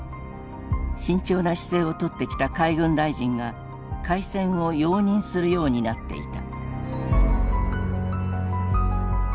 慎重な姿勢をとってきた海軍大臣が開戦を容認するようになっていた。